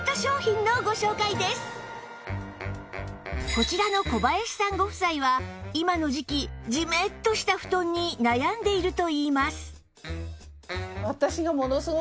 こちらの小林さんご夫妻は今の時季ジメッとした布団に悩んでいるといいます